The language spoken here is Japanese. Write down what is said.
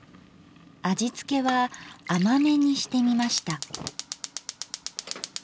味付けは甘めにしてみました。